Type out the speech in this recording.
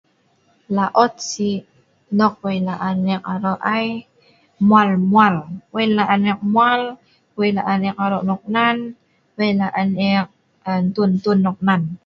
Laot si laan ek aro ai, yah nah mwal-mwal, wei laan ek mwal, wei laan ek aro nok nan, wei laan ek ntun-ntun aro nok nan